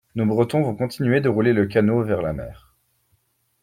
Nos Bretons vont continuer de rouler le canot vers la mer.